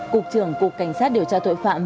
cục trưởng cục cảnh sát điều tra tội phạm